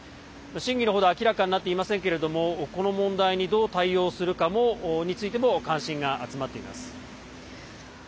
真偽のほどは明らかになっていませんがこの問題にどう対応するかについても関心が集まっています。